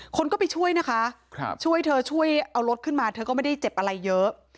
คนก็ไปช่วยนะคะช่วยเธอช่วยเอารถขึ้นมาเธอก็ไม่ได้เจ็บอะไรเยอะ